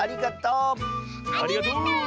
ありがとう！